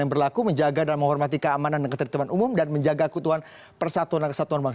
yang berlaku menjaga dan menghormati keamanan dan ketertiban umum dan menjaga keutuhan persatuan dan kesatuan bangsa